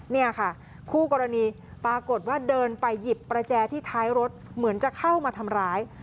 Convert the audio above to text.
นี่ค่ะคู่กรณีปรากฏว่าเดินไปหยิบประแจที่ท้ายรถเหมือนจะเข้ามาทำร้าย